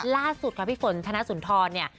ล่าสุดค่ะพี่ฝนธนสุนทรเนี่ย